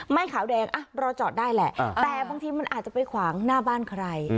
ขาวแดงรอจอดได้แหละแต่บางทีมันอาจจะไปขวางหน้าบ้านใคร